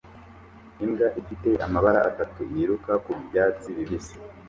Imbwa ifite amabara atatu yiruka ku byatsi bibisi